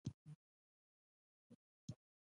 د هوټل ریزرویشن مخکې وکړئ.